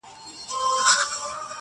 منځ کي پروت یې زما د سپینو ایینو ښار دی,